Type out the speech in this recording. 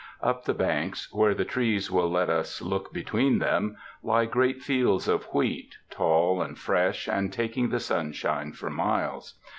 Up the banks, where the trees will let us look between them, lie great fields of wheat, tall and fresh, and taking the sunshine for miles.